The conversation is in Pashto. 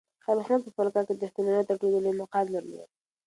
خیر محمد په خپل کار کې د رښتونولۍ تر ټولو لوړ مقام درلود.